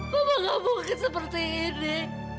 mama gak mungkin seperti ini